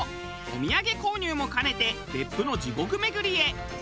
お土産購入も兼ねて別府の地獄めぐりへ。